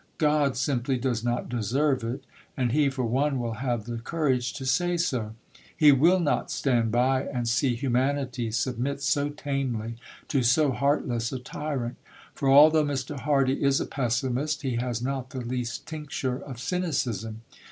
God simply does not deserve it, and he for one will have the courage to say so. He will not stand by and see humanity submit so tamely to so heartless a tyrant. For, although Mr. Hardy is a pessimist, he has not the least tincture of cynicism.